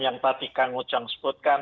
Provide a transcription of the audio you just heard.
yang tadi kang ujang sebutkan